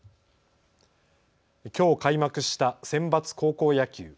きょう開幕したセンバツ高校野球。